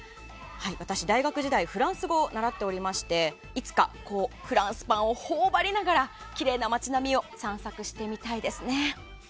私、大学時代にフランス語を習っておりましていつかフランスパンを頬張りながらきれいな街並みを散策してみたいですね。